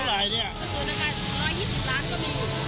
ก็เหลือแต่๘๒ไหมค่ะ